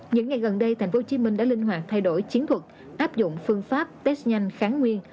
những ngày gần đây tp hcm đã linh hoạt thay đổi chiến thuật áp dụng phương pháp test nhanh kháng nguyên